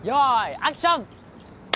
アクション！